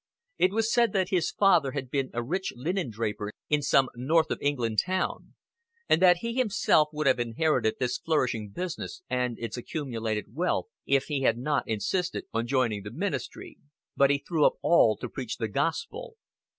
It was said that his father had been a rich linen draper in some North of England town; and that he himself would have inherited this flourishing business and its accumulated wealth, if he had not insisted on joining the ministry. But he threw up all to preach the Gospel.